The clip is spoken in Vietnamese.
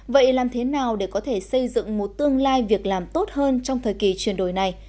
vậy làm thế nào để có thể xây dựng một tương lai việc làm tốt hơn trong thời kỳ chuyển đổi này